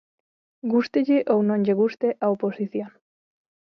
Gústelle ou non lle guste á oposición.